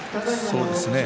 そうですね。